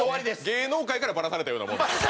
芸能界からバラされたようなもん。